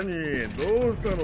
どうしたの？